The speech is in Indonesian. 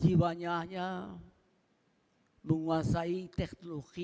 jiwanya hanya menguasai teknologi